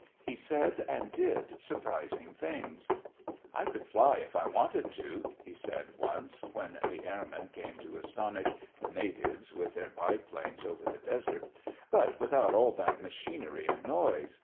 He said and did surprising things. "I could fly if I wanted to," he said once when the airmen came to astonish the natives with their biplanes over the desert, "but without all that machinery and noise.